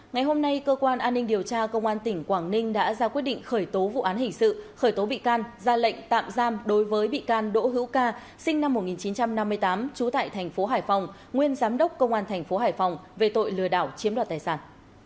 ngày hôm nay cơ quan an ninh điều tra công an tỉnh quảng ninh đã ra quyết định khởi tố vụ án hình sự khởi tố bị can ra lệnh tạm giam đối với bị can đỗ hữu ca sinh năm một nghìn chín trăm năm mươi tám trú tại thành phố hải phòng nguyên giám đốc công an thành phố hải phòng về tội lừa đảo chiếm đoạt tài sản